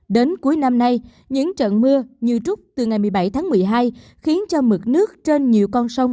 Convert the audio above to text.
đến cuối năm nay những trận mưa như trút từ ngày một mươi bảy tháng một mươi hai khiến cho mực nước trên nhiều con sông